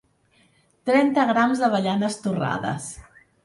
Trenta grams d’avellanes torrades.